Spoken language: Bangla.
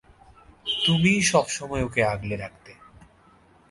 তুমিই সবসময় ওকে আগলে রাখতে।